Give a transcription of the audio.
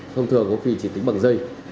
thông thường có khi chỉ tính bằng dây